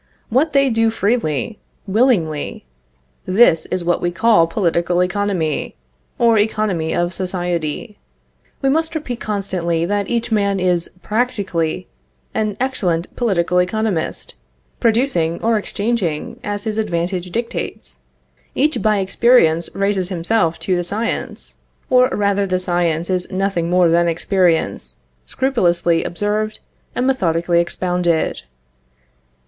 What they do freely, willingly, this is what we call Political Economy, or economy of society. We must repeat constantly that each man is practically an excellent political economist, producing or exchanging, as his advantage dictates. Each by experience raises himself to the science; or rather the science is nothing more than experience, scrupulously observed and methodically expounded.